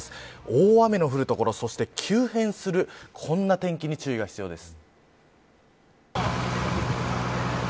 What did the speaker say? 大雨の降る所そして急変するこんな天気に注意が必要です。